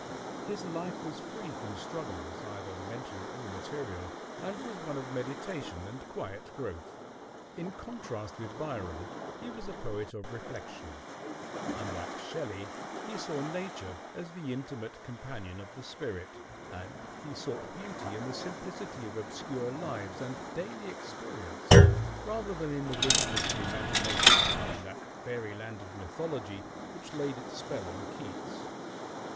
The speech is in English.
His life was free from struggles, either mental or material, and was one of meditation and quiet growth. In contrast with Byron, he was a poet of reflection; unlike Shelley, he saw Nature as the intimate companion of the spirit; and he sought beauty in the simplicity of obscure lives and daily experience rather than in the richness of imagination or in that fairy land of mythology which laid its spell on Keats.